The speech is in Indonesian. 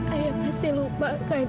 ayah pasti lupakan